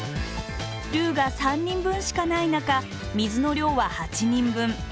ルーが３人分しかない中水の量は８人分。